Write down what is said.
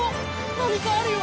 なにかあるよ！